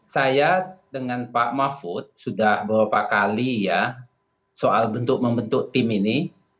saya dengan pak mahfud sudah beberapa kali ya soal bentuk membentuk tim ini